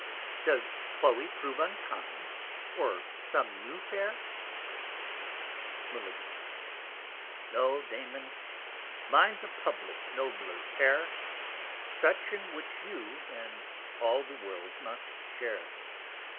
Does_ Chloe prove unkind, or some new Fair? MEL. No Damon, _mine's a publick, nobler, Care; Such in which you and all the World must share.